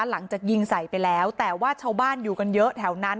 หลังจากยิงใส่ไปแล้วแต่ว่าชาวบ้านอยู่กันเยอะแถวนั้น